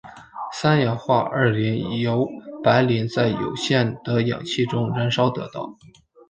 三氧化二磷由白磷在有限的氧气中燃烧得到。